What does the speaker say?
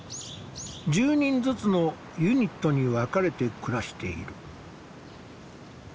１０人ずつのユニットに分かれて暮らしている。